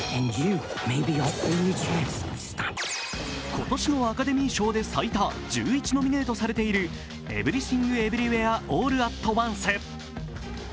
今年のアカデミー賞で最多１１ノミネートされている「エブリシング・エブリウェア・オール・アット・ワンス」。